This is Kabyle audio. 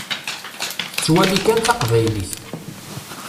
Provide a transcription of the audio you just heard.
Tettwali kan taqbaylit.